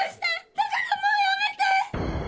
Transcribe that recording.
だからもうやめて！